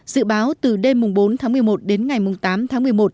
dự báo từ đêm bốn tháng một mươi một đến ngày tám tháng một mươi một